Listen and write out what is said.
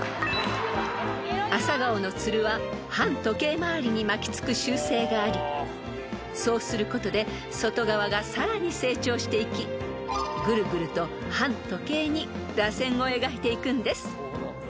［アサガオのつるは反時計回りに巻き付く習性がありそうすることで外側がさらに成長していきぐるぐると反時計にらせんを描いていくんです］